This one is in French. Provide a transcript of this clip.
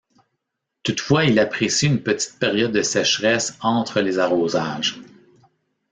Toutefois, il apprécie une petite période de sécheresse entre les arrosages.